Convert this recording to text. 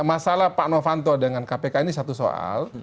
masalah pak novanto dengan kpk ini satu soal